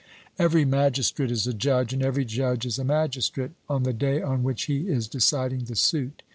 Every magistrate is a judge, and every judge is a magistrate, on the day on which he is deciding the suit.